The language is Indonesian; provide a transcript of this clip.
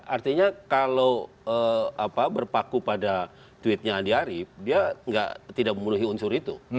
artinya kalau berpaku pada tweetnya andi arief dia tidak memenuhi unsur itu